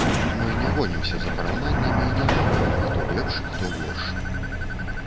Мы не гонімся за параўнаннямі і не думаем, хто лепш, хто горш.